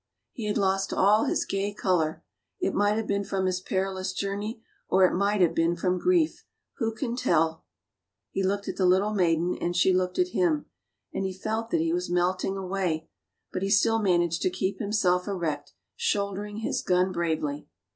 He had lost all his gay colour; it might have been from his perilous journey, or it might have been from grief, who can tell ? He looked at the little maiden, and she looked at him ; and he felt that he was melting away, but he still managed to keep himself erect, shouldering his gun bravely.